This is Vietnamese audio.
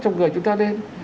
trong người chúng ta lên